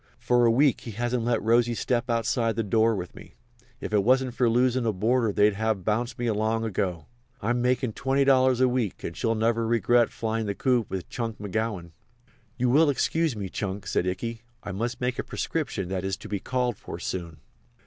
"For a week he hasn't let Rosy step outside the door with me. If it wasn't for losin' a boarder they'd have bounced me long ago. I'm makin' $20 a week and she'll never regret flyin' the coop with Chunk McGowan." "You will excuse me, Chunk," said Ikey. "I must make a prescription that is to be called for soon."